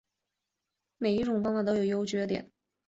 每一种方法都有其优点和不足。